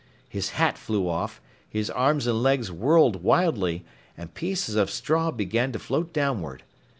His hat flew off, his arms and legs whirled wildly, and pieces of straw began to float downward.